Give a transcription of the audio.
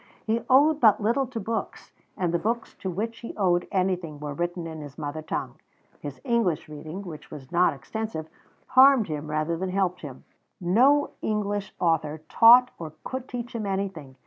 He owed but little to books, and the books to which he owed anything were written in his mother tongue. His English reading, which was not extensive, harmed him rather than helped him. No English author taught or could teach him anything.